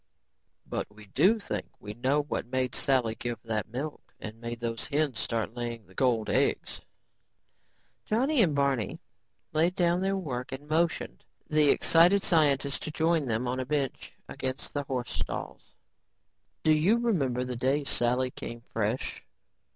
"But we do think we know what made Sally give that milk and made those hens start laying the gold eggs." Johnny and Barney laid down their work and motioned the excited scientist to join them on a bench against the horse stalls. "Do you remember the day Sally came fresh?"